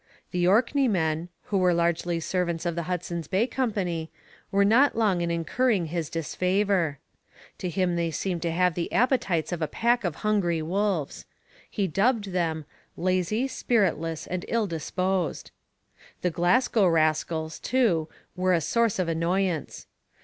The Orkneymen, who were largely servants of the Hudson's Bay Company, were not long in incurring his disfavour. To him they seemed to have the appetites of a pack of hungry wolves. He dubbed them 'lazy, spiritless and ill disposed.' The 'Glasgow rascals,' too, were a source of annoyance.